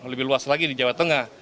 lebih luas lagi di jawa tengah